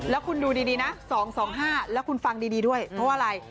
แล้วคุณดูดิดินะ๒๒๕และคุณฟังดีดี่ด้วยเพราะอะไร